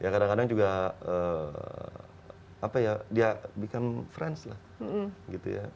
kadang kadang juga apa ya dia become friends lah gitu ya